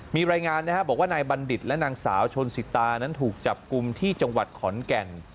มีรายงานนะครับบอกว่านายบัณฑิตและนางสาวชนสิตานั้นถูกจับกลุ่มที่จังหวัดขอนแก่น